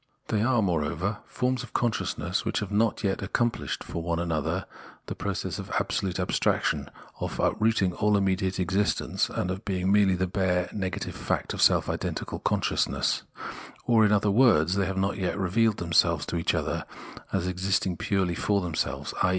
They are, moreover, forms of consciousness which have not yet Independence of Self Consciousness 179 accomplished for one another the process of absolute ab straction, of uprooting all immediate existence, and of being merely the bare, negative fact of self identical con sciousness ; or, in other words, have not yet revealed themselves to each, other as existing purely for them selves, i.